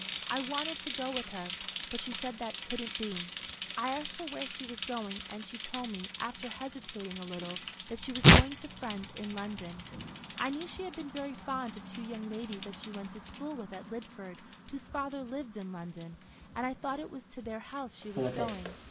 I wanted to go with her, but she said that couldn't be. I asked her where she was going, and she told me, after hesitating a little, that she was going to friends in London. I knew she had been very fond of two young ladies that she went to school with at Lidford, whose father lived in London; and I thought it was to their house she was going.